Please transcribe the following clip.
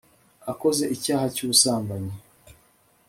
akoze icyaha cyu busambanyi